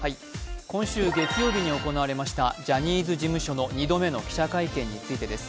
今週月曜日に行われましたジャニーズ事務所の２度目の記者会見についてです。